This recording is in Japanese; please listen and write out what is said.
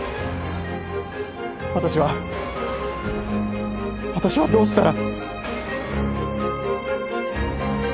私は私はどうしたら！？